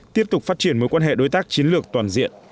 tiếp tục phát triển mối quan hệ đối tác chiến lược toàn diện